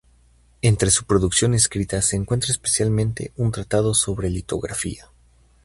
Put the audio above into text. Entre su producción escrita se cuenta especialmente un tratado sobre litografía.